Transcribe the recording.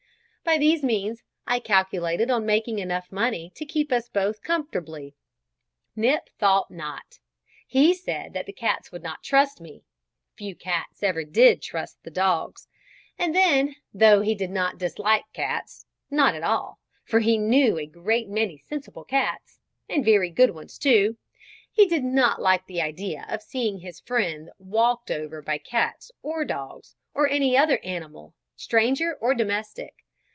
By these means I calculated on making enough money to keep us both comfortably. Nip thought not. He said that the cats would not trust me few cats ever did trust the dogs and then, though he did not dislike cats, not at all, for he knew a great many very sensible cats, and very good ones too, he did not like the idea of seeing his friend walked over by cats or dogs, or any other animal, stranger or domestic.